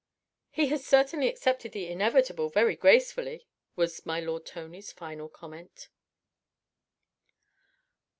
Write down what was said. "He has certainly accepted the inevitable very gracefully," was my lord Tony's final comment.